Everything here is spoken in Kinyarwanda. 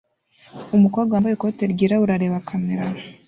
Umukobwa wambaye ikoti ryirabura areba kamera